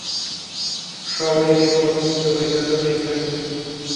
সময় যে কখন চলে গেল টের পাইনি।